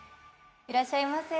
いらっしゃいませ。